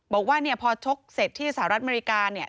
บอกว่าเนี่ยพอชกเสร็จที่สหรัฐอเมริกาเนี่ย